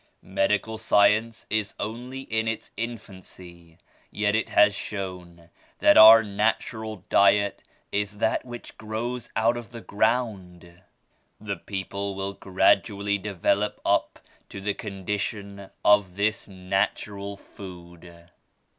Medical science is only in its infancy, yet it has shown that our natural diet is that which grows out of the ground. The people will gradually develop up to the condi tion of this natural food."